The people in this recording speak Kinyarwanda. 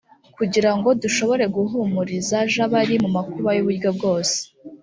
kugira ngo dushobore guhumuriza j abari mu makuba y uburyo bwose